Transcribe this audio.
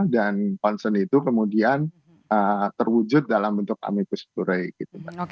dan concern itu kemudian terwujud dalam bentuk amicus curiae gitu